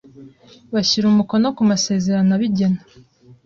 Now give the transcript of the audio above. bashyira n’umukono ku masezerano abigena